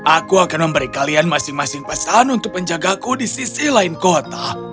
aku akan memberi kalian masing masing pesan untuk menjagaku di sisi lain kota